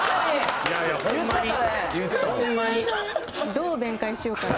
どう弁解しようかな。